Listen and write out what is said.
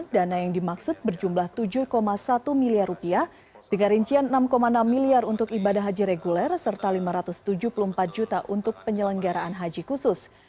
dana yang dimaksud berjumlah tujuh satu miliar dengan rincian enam enam miliar untuk ibadah haji reguler serta rp lima ratus tujuh puluh empat juta untuk penyelenggaraan haji khusus